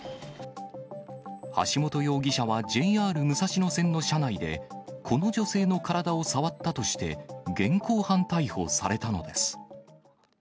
橋本容疑者はＪＲ武蔵野線の車内で、この女性の体を触ったとして、現行犯逮捕されたのです。